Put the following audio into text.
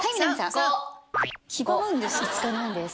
５。５日なんです。